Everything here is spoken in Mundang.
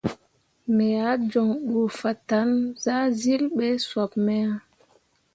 Me ah joŋ ɓe fatan zahzyilli ɓe sop me ah.